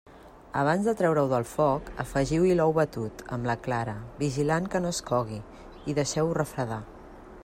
Abans de treure-ho del foc, afegiu-hi l'ou batut, amb la clara, vigilant que no es cogui i deixeu-ho refredar.